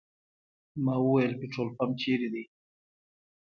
ما وویل پټرول پمپ چېرې دی.